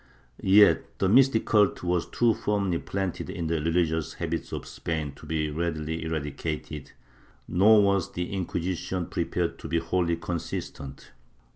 ^ Yet the mystic cult was too firmly planted in the religious habits of Spain to be readily eradicated, nor was the Inquisition prepared to be wholly consistent.